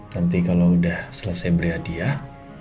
nanti kalau udah selesai beli hadiah